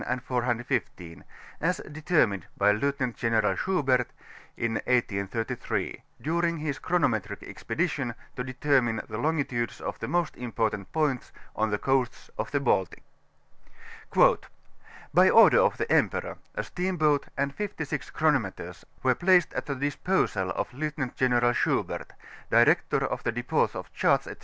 414, 415, as determiiied by Lieutenant^ General Schubert, in 1833, during his Chronometric Expedition to aetennine the ioi^tudctf of the most important pomts on the coasts of the Baltic. ^ By order of the Emperor, a steam boat and fifty six chronmneters, were placed at the disposal of Lieutenant General Schubert, Director of the Dejpdts of Charts, &c.